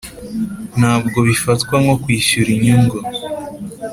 ntabwo bifatwa nko kwishyura inyungu